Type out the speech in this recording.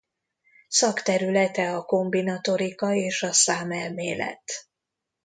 Szakterülete a kombinatorika és a számelmélet.